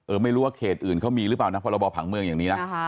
ไม่รู้ว่าเขตอื่นเขามีหรือเปล่านะพรบผังเมืองอย่างนี้นะ